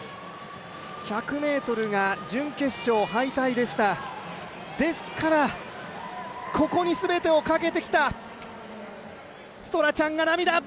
１００ｍが準決勝敗退でした、ですからここに全てをかけてきたストラチャンが涙。